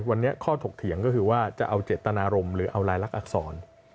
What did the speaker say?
วันนี้ข้อถกเถียงก็คือว่าจะเอาเจตนารมณ์หรือเอาลายลักษร